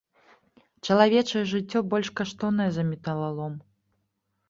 Чалавечае жыццё больш каштоўнае за металалом.